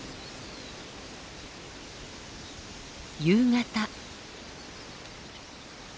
夕方。